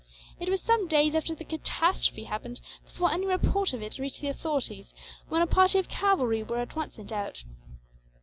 It was some days after the catastrophe happened before any report of it reached the authorities, when a party of cavalry were at once sent out.